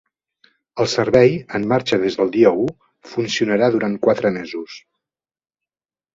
El servei, en marxa des del dia u, funcionarà durant quatre mesos.